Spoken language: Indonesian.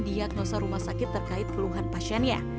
diagnosa rumah sakit terkait keluhan pasiennya